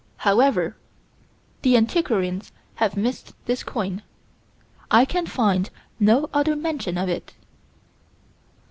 However, the antiquarians have missed this coin. I can find no other mention of it.